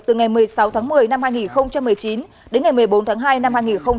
từ ngày một mươi sáu tháng một mươi năm hai nghìn một mươi chín đến ngày một mươi bốn tháng hai năm hai nghìn hai mươi